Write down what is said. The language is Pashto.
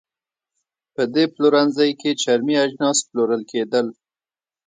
په دې پلورنځۍ کې چرمي اجناس پلورل کېدل.